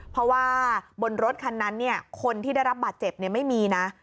เพราะว่าบนรถคันนั้นคนที่ได้รับบาดเจ็บไม่มีนะ